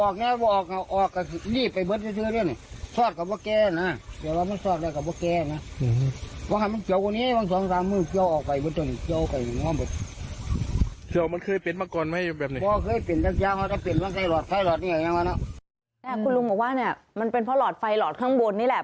คุณลุงบอกว่าเนี่ยมันเป็นเพราะหลอดไฟหลอดข้างบนนี่แหละ